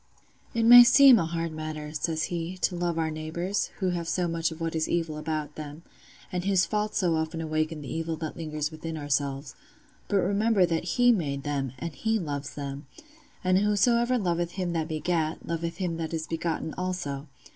"'It may seem a hard matter,' says he, 'to love our neighbours, who have so much of what is evil about them, and whose faults so often awaken the evil that lingers within ourselves; but remember that He made them, and He loves them; and whosoever loveth him that begat, loveth him that is begotten also.